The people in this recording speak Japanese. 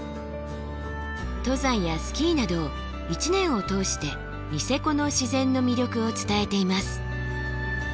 登山やスキーなど一年を通してニセコの自然の魅力を伝えています。